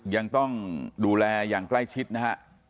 ยังต้องดูแลอย่างใกล้ชิดนะฮะ